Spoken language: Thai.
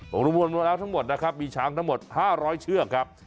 รวมแล้วทั้งหมดนะครับมีช้างทั้งหมด๕๐๐เชือกครับ